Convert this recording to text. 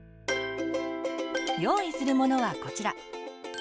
用意するものはこちら。